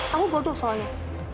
kamu bodoh soalnya